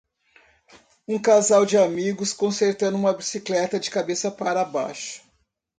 Um casal de amigos consertando uma bicicleta de cabeça para baixo.